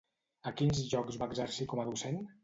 A quins llocs va exercir com a docent?